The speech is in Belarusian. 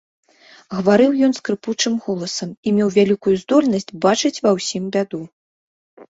Гаварыў ён скрыпучым голасам і меў вялікую здольнасць бачыць ва ўсім бяду.